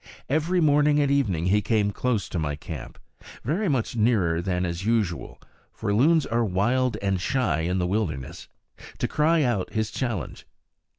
Every morning and evening he came close to my camp very much nearer than is usual, for loons are wild and shy in the wilderness to cry out his challenge.